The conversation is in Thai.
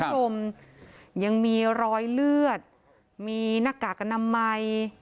สงสารเขาอีกสงสารอีก